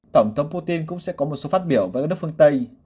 tổng thống putin cũng sẽ có một số phát biểu với các nước phương tây